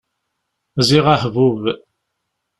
Ziɣ ahbub!